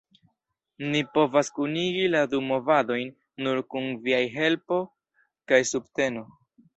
Ni povas kunigi la du movadojn nur kun viaj helpo kaj subteno.